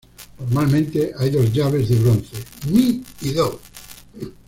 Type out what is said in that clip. Normalmente hay dos llaves de bronce, "mi" y "do".